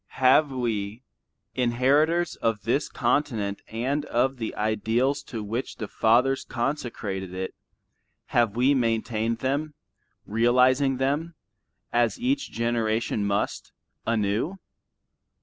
Have we, inheritors of this continent and of the ideals to which the fathers consecrated it, have we maintained them, realizing them, as each generation must, anew?